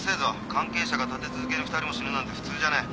関係者が立て続けに二人も死ぬなんて普通じゃねえ。